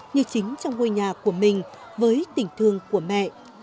như chính trong ngôi nhà của mình với tình thương của mẹ